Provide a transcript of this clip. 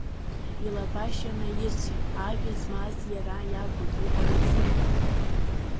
Илабашьа наирсит, ажәа змаз иара иакәын иҳәарызшәа.